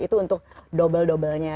itu untuk double doublenya